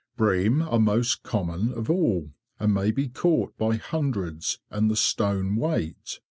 Bream are most common of all, and may be caught by hundreds and the stone weight.